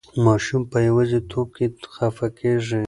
ماشوم په یوازې توب کې خفه کېږي.